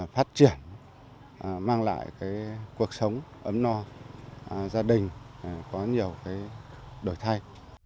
phát triển mang lại cuộc sống ấm no gia đình có nhiều đổi thay